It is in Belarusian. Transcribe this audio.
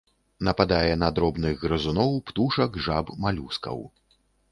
Нападае на дробных грызуноў, птушак, жаб, малюскаў.